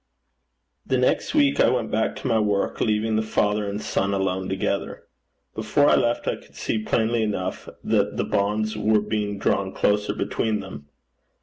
The next week I went back to my work, leaving the father and son alone together. Before I left, I could see plainly enough that the bonds were being drawn closer between them.